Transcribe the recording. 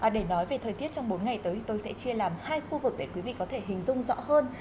để nói về thời tiết trong bốn ngày tới thì tôi sẽ chia làm hai khu vực để quý vị có thể hình dung rõ hơn